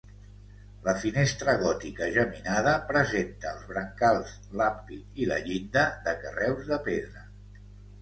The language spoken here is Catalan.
La finestra gòtica geminada presenta els brancals l'ampit i la llinda de carreus de pedra.